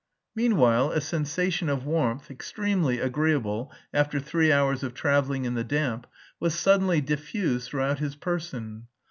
Meanwhile a sensation of warmth, extremely agreeable after three hours of travelling in the damp, was suddenly diffused throughout his person.